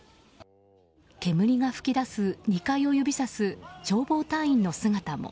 煙が噴き出す２回を指さす消防隊員の姿も。